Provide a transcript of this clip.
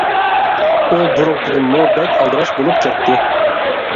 ئۇ بۇرۇنقىدىنمۇ بەك ئالدىراش بولۇپ كەتتى.